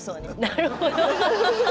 なるほど。